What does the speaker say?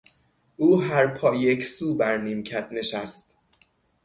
او هر پا یک سو بر نیمکت نشست.